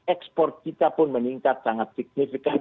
ekspor kita pun meningkat sangat signifikan